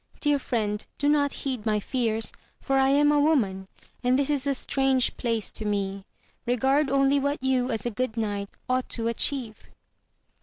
Dear friend, do not heed my fears, for I am a woman, and this is a strange place to me ; regard only what you, as a good knight, ought to achieve.